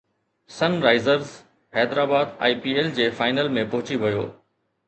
سن Risers Hyderabad I P L جي final ۾ پهچي ويو